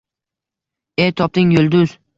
— E, topding, yulduz.